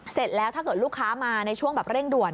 เสร็จแล้วถ้าเกิดลูกค้ามาในช่วงแบบเร่งด่วน